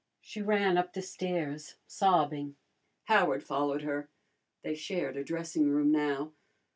She ran up the stairs, sobbing. Howard followed her. They shared a dressing room now.